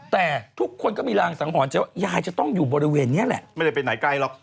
แต่ทุกคนก็มีรางสังหรณ์เจ้ายายจะต้องอยู่บริเวณเนี่ยแหละ